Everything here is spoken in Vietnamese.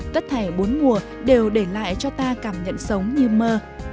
tất thể bốn mùa đều để lại cho ta cảm nhận sống như mơ